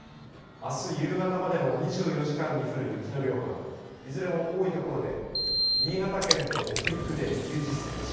あす夕方までの２４時間に降る雪の量はいずれも多い所で新潟県と北陸で９０センチ